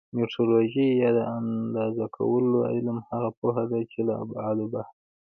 میټرولوژي یا د اندازه کولو علم هغه پوهه ده چې له ابعادو بحث کوي.